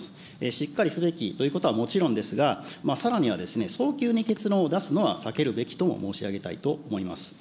しっかりすべきということはもちろんですが、さらには早急に結論を出すのは避けるべきとも申し上げたいと思います。